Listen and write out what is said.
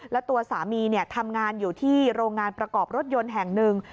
แล้วตัวสามีทำงานอยู่ที่โรงงานประกอบรถยนต์แห่งหนึ่ง